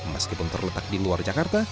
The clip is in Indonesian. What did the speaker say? meskipun terletak di luar jakarta